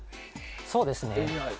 そうですね。